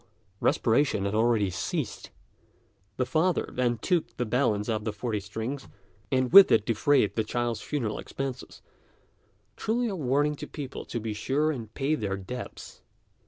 respiration had already ceased. The father then took the balance of the forty strings, and with it defrayed the child's funeral expenses truly a warning to people to be sure and pay their debts.